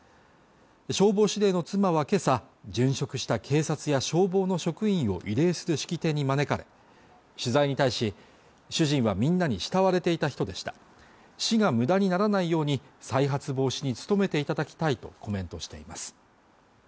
消防司令の妻はけさ殉職した警察や消防の職員を慰霊する式典に招かれ取材に対し主人はみんなに慕われていた人でした死が無駄にならないように再発防止に努めていただきたいとコメントしています